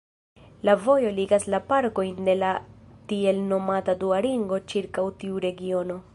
La vojo ligas la parkojn de la tiel nomata "dua ringo" ĉirkaŭ tiu regiono.